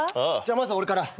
まず俺から。